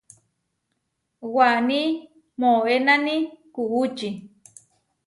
Waní moʼénani kuʼúči.